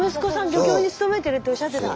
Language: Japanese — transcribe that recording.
漁協に勤めてるっておっしゃってた。